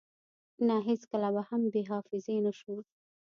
نه هیڅکله به هم بی حافظی نشو